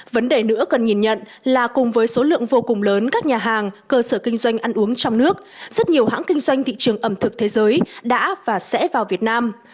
vấn đề nữa cần nhìn nhận là cùng với số lượng vô cùng lớn các nhà hàng cơ sở kinh doanh ăn uống trong nước rất nhiều hãng kinh doanh thị trường ẩm thực thế giới đã và sẽ vào việt nam